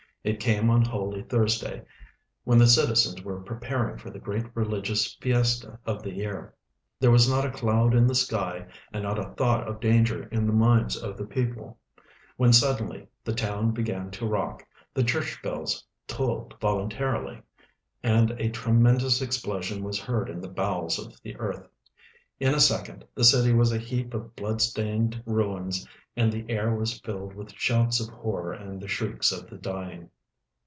It came on Holy Thurs day, when the citizens were pre]>aring for the great religious fiesta of the year. There was not a cloud in the sky and not a thought of danger in the minds of the people, when suddenl}' the town l)egan to rock, the church hells tolled voluntarily, and a tremendous explosion was heard in the Ijowels of the earth. In a second the city was a heap of blood stained ruins and the air Avas filled with .shouts of horror and the shrieks of the dying.